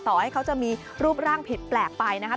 ต่อให้เขาจะมีรูปร่างผิดแปลกไปนะครับ